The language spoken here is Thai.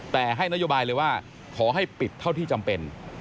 แต่ให้นโยบายเลยว่าขอให้ปิดเท่าที่จำเป็น